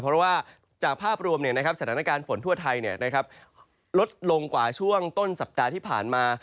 เพราะว่าจากภาพรวมสถานการณ์ฝนทั่วไทยลดลงกว่าช่วงต้นสัปดาห์ที่ผ่านมา